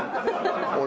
俺？